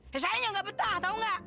eh sayangnya gak betah tau gak